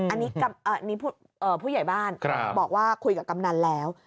อันนี้ผู้ใหญ่บ้านบอกว่าคุยกับกำนันแล้ว